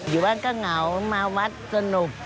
อยู่บ้านก็เหงามาวัดสนุก